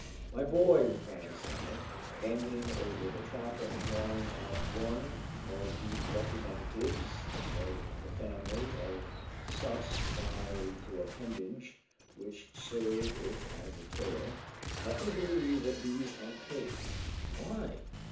"My boy," replied the sailor, bending over the trap and drawing out one of these representatives of the family of sus by the little appendage which served it as a tail. "Let me believe that these are pigs." "Why?"